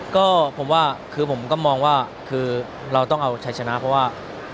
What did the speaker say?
ก็ผมว่าคือผมก็มองว่าคือเราต้องเอาชัยชนะเพราะว่า